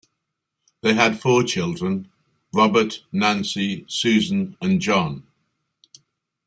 They had four children: Robert, Nancy, Susan and John.